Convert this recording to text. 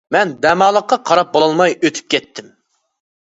مەن دەماللىققا قاراپ بولالماي ئۆتۈپ كەتتىم.